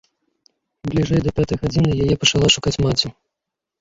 Бліжэй да пятай гадзіны яе пачала шукаць маці.